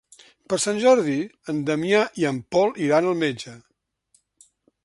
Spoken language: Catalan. Per Sant Jordi en Damià i en Pol iran al metge.